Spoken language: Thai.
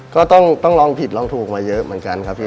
ก็ต้องร้องผิดร้องถูกมาเยอะเหมือนกันครับพี่